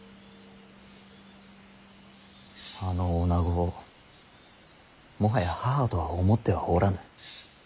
あの女子をもはや母とは思ってはおらぬ。